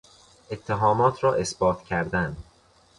اتهامات را اثبات کردن